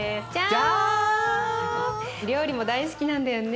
料理も大好きなんだよね。